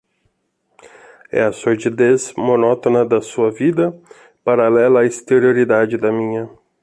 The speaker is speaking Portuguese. É a sordidez monótona da sua vida, paralela à exterioridade da minha